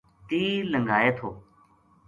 تیر لنگھا ئے تھو